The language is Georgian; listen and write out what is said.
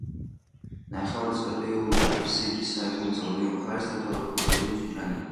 ნახევარწრიული აფსიდის სარკმლის ორივე მხარეს თითო ოთხკუთხა ნიშია.